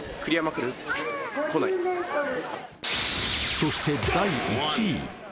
そして第１位。